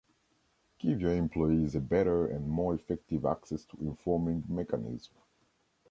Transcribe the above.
Give your employees a better and more effective access to informing mechanism